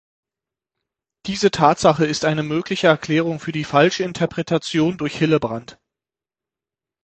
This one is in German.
Diese Tatsache ist eine mögliche Erklärung für die falsche Interpretation durch Hillebrand.